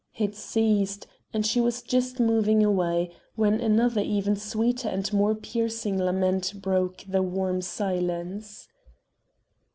It ceased, and he was just moving away, when another even sweeter and more piercing lament broke the warm silence.